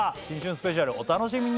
スペシャルお楽しみに！